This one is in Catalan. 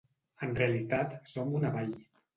En realitat som una vall.